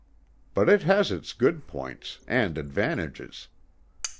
But it has its good points, and advantages.